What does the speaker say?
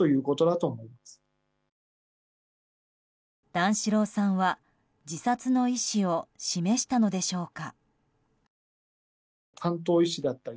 段四郎さんは、自殺の意思を示したのでしょうか。